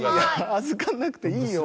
預かんなくていいよ。